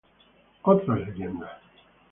Otras leyendas